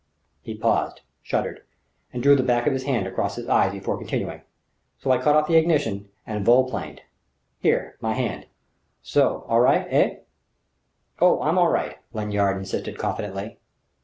He paused, shuddered, and drew the back of his hand across his eyes before continuing: "So I cut off the ignition and volplaned. Here my hand. So o! All right, eh?" "Oh, I'm all right," Lanyard insisted confidently.